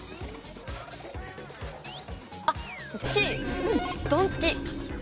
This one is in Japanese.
あっＣどんつき。